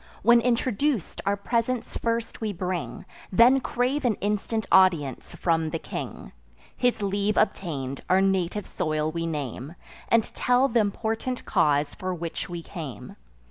When introduc'd, our presents first we bring, Then crave an instant audience from the king. His leave obtain'd, our native soil we name, And tell th' important cause for which we came.